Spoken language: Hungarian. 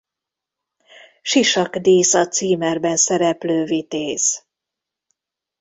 Sisakdísz a címerben szereplő vitéz.